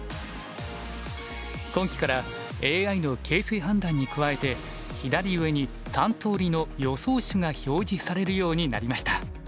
今期からＡＩの形勢判断に加えて左上に３とおりの予想手が表示されるようになりました。